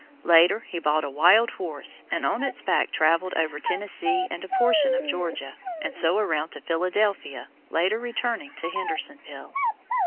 Later he bought a "wild horse," and on its back travelled over Tennessee and a portion of Georgia, and so around to Philadelphia, later returning to Hendersonville.